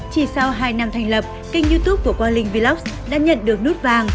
chỉ sau hai năm thành lập kênh youtube của quang linh vlogs đã nhận được nút vàng